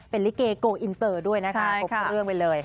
เป็นลิเกโกอินเตอร์ด้วยนะคะครบเครื่องไปเลยค่ะ